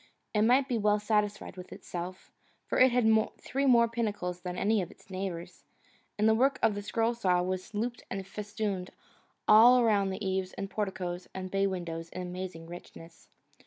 It might well be satisfied with itself, for it had three more pinnacles than any of its neighbours, and the work of the scroll saw was looped and festooned all around the eaves and porticoes and bay windows in amazing richness.